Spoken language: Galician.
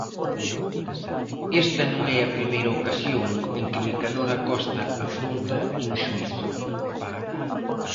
Esta non é a primeira ocasión en que Nicanor Acosta afronta un xuízo.